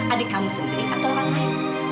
adik kamu sendiri atau orang lain